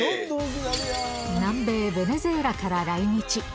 南米ベネズエラから来日。